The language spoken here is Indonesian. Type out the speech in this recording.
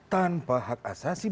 tanpa hak asasi manusia